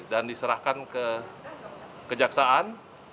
dan diserahkan ke kejaksaan